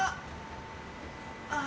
あ。